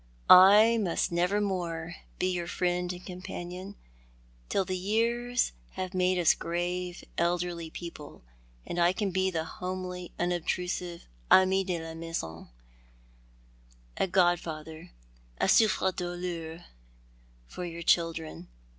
I must never more bo your friend and companion, till the years have made us grave, elderly people, and I can be the homely, unobtrusive ami de la maisou — a godfather, a souffrc douleur for your children.